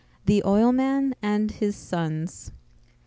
IX. The Oilman and His Sons.